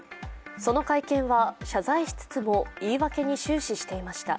その会見は謝罪しつつも言い訳に終始していました。